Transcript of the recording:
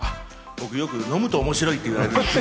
よく飲むと面白いって言われます。